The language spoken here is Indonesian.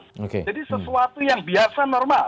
jadi sesuatu yang biasa normal